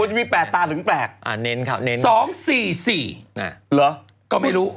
หัวจะมีแปลกตาถึงแปลกสองสี่สี่น่ะก็ไม่รู้